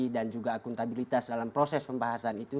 dan juga akuntabilitas dalam proses pembahasan itu